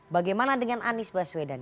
bagaimana dengan anies baswedan